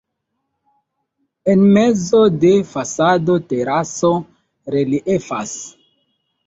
En mezo de fasado teraso reliefas.